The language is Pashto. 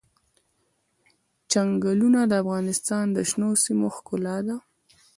چنګلونه د افغانستان د شنو سیمو ښکلا ده.